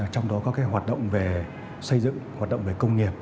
trong đó có hoạt động về xây dựng hoạt động về công nghiệp